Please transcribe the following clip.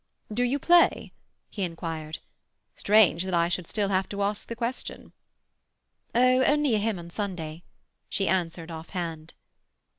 "Do you play?" he inquired. "Strange that I should still have to ask the question." "Oh, only a hymn on Sunday," she answered off hand.